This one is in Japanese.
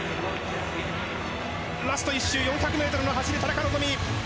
ラスト１周４００ｍの走り、田中希実。